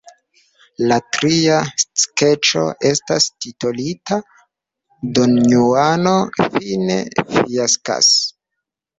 La tria skeĉo estas titolita Donjuano fine fiaskas.